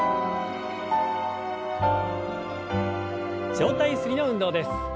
上体ゆすりの運動です。